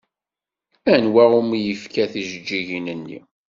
Anwa umi yefka tijeǧǧigin-nni?